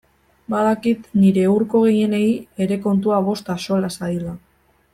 Badakit nire hurko gehienei ere kontua bost axola zaiela.